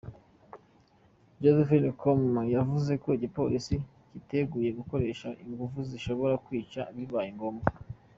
Japheth Koome yavuze ko igipolisi citeguye gukoresha 'inguvu zishobora kwica' bibaye ngombwa.